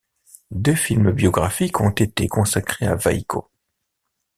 Deux films biographiques ont été consacrés à Waiko.